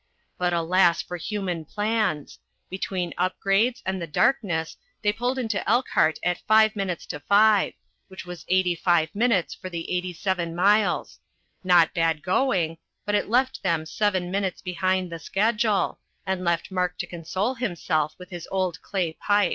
But alas for human plans! Between up grades and the darkness they pulled into Elkhart at five minutes to five, which was 85 minutes for the 87 miles not bad going, but it left them seven minutes behind the schedule, and left Mark to console himself with his old clay pipe.